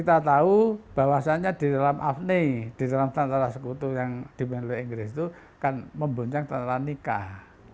ini karena itu bahwasannya di dalam afni di dalam tantara sekutu yang dimandu inggris itu akan membuncang tantara nikah